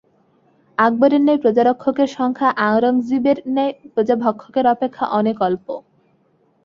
আকবরের ন্যায় প্রজারক্ষকের সংখ্যা আরঙ্গজীবের ন্যায় প্রজাভক্ষকের অপেক্ষা অনেক অল্প।